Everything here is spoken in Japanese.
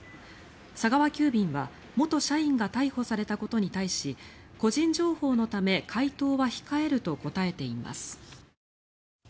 佐川急便は元社員が逮捕されたことに対し個人情報のため回答は控えると答えています。